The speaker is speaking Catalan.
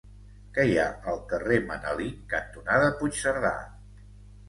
Què hi ha al carrer Manelic cantonada Puigcerdà?